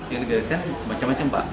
ini digadeikan semacam macam pak